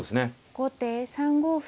後手３五歩。